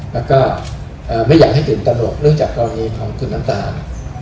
และไม่อยากให้ถึงตะโลกเรื่องจากกรณีของคุณน้ำตาล